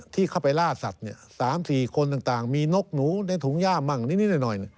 ที่เข้าไปล่าสัตว์๓๔คนต่างมีนกหนูในถุงย่ามั่งนิดหน่อย